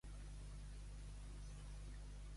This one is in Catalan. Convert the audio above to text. Bufar la Maria de França.